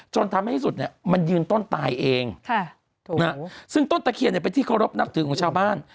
จนทำให้ที่สุดเนี่ยมันยืนต้นตายเองซึ่งต้นตะเคียนเนี่ยเป็นที่เคารพนับถือของชาวบ้าน